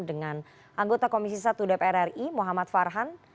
dengan anggota komisi satu dpr ri muhammad farhan